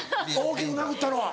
大きく殴ったのは？